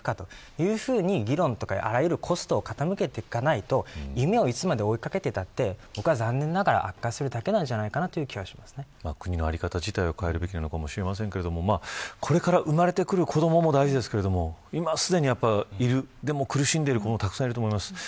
こういう議論をあらゆるコストを傾けていかないと夢をいつまでも追いかけても残念ながら悪化するだけなんじゃ国の在り方自体を変えるべきかもしれませんがこれから生まれてくる子どもも大事ですが、今すでにいるでも苦しんでいる子もたくさんいると思います。